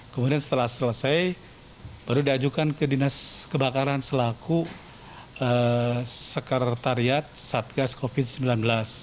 kemudian setelah selesai baru diajukan ke dinas kebakaran selaku sekretariat satgas covid sembilan belas